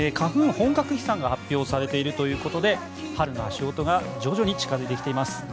花粉、本格飛散が発表されているということで春の足音が徐々に近付いてきています。